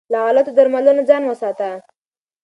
له غلطو درملنو ځان وساته.